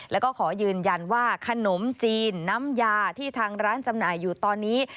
แล้วก็ขอยืนยันว่าขนมจีนน้ำยาที่ทางร้านจำหน่ายอยู่ตอนนี้